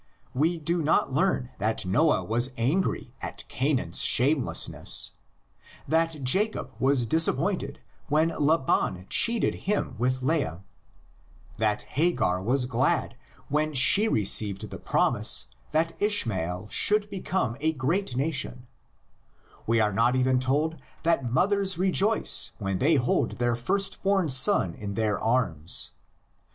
We do not learn that Noah was angry at Canaan's shamelessness, that Jacob was disap pointed when Laban cheated him with Leah, that Hagar was glad when she received the promise that Ishmael should become a great nation; we are not even told that mothers rejoice when they hold their firstborn son in their arms.